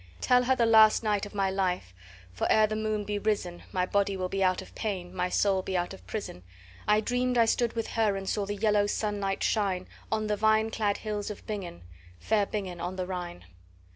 Tell her the last night of my life (for, ere the moon be risen, My body will be out of pain, my soul be out of prison), I dreamed I stood with her, and saw the yellow sunlight shine On the vine clad hills of Bingen, fair Bingen on the Rhine.